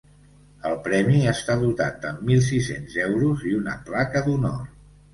El premi està dotat amb mil sis-cents euros i una placa d’honor.